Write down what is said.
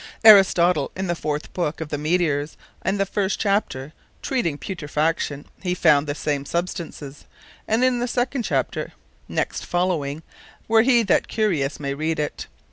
Aristotle in the fourth Book of the Meteors and the first Chapter, treating of Putrefaction, he found the same substances; and in the second Chapter next following, where he that is curious may read it.